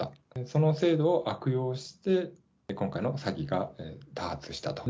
その制度を悪用して、今回の詐欺が多発したと。